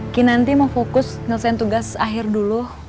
ki nanti mau fokus nyelesaian tugas akhir dulu